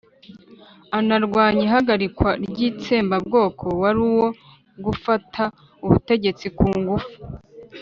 anarwanya ihagarikwa ry'itsembabwoko wari uwo gufata ubutegetsi ku ngufu